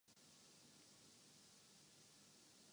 Fiji